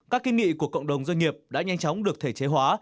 các kiến nghị của cộng đồng doanh nghiệp đã nhanh chóng được thể chế hóa